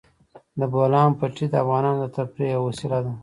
د بولان پټي د افغانانو د تفریح یوه وسیله ده.